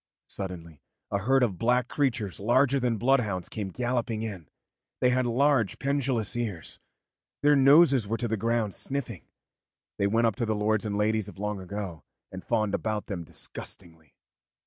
Suddenly a herd of black creatures larger than bloodhounds came galloping in; they had large pendulous ears, their noses were to the ground sniffing, they went up to the lords and ladies of long ago and fawned about them disgustingly.